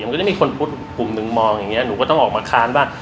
มันก็จะมีคนพุทธกลุ่มหนึ่งมองอย่างนี้หนูก็ต้องออกมาค้านว่า